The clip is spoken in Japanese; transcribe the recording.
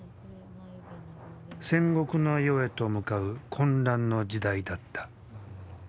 戦国の世へと向かう混乱の時代だった。